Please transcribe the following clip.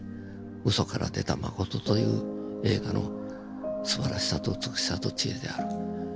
ウソから出たマコトという映画のすばらしさと美しさと知恵である。